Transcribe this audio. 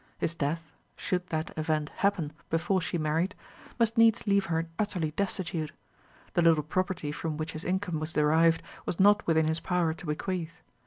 His death should that event happen before she married must needs leave her utterly destitute. The little property from which his income was derived was not within his power to bequeath.